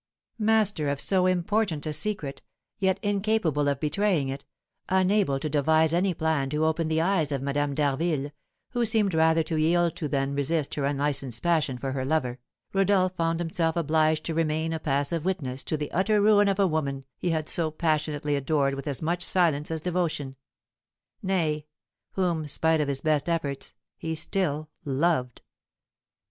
Master of so important a secret, yet incapable of betraying it, unable to devise any plan to open the eyes of Madame d'Harville, who seemed rather to yield to than resist her unlicensed passion for her lover, Rodolph found himself obliged to remain a passive witness to the utter ruin of a woman he had so passionately adored with as much silence as devotion; nay, whom, spite of his best efforts, he still loved.